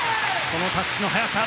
このタッチの早さ。